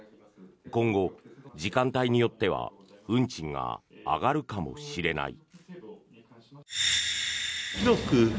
今後、時間帯によっては運賃が上がるかもしれない。